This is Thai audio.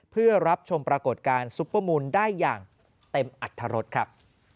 เพื่อรับชมปรากฏการณ์ซุปเปอร์มูลได้อย่างเต็มอัตรรสครับ